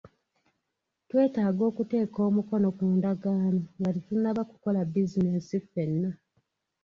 Twetaaga okuteeka omukono ku ndagaano nga tetunnaba kukola bizinesi ffenna.